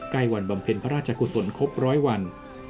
ใกล้วันบำเพ็ญพระราชกุศลครบร้อยวัน